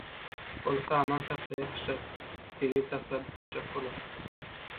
Ol saman tapsa ýapyşjak, delil tapsa bukuljak bolar.